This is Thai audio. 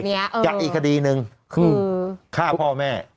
จากอีกคดีหนึ่งคือฆ่าพ่อแม่